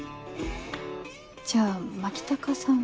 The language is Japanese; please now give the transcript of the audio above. じゃあ牧高さんは。